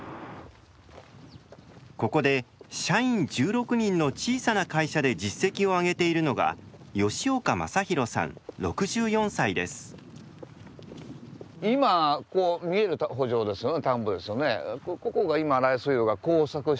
ここで社員１６人の小さな会社で実績を上げているのが田んぼですよね。